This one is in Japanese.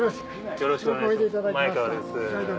よろしくお願いします。